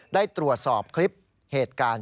ได้ตรวจสอบคลิปเหตุการณ์